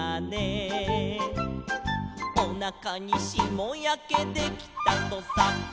「おなかにしもやけできたとさ」